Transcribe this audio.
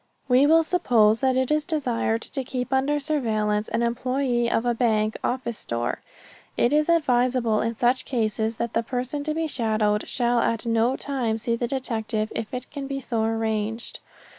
We will suppose that it is desired to keep under surveillance an employee of a bank, office or store. It is advisable in such cases that the person to be shadowed shall at no time see the detective if it can be so arranged.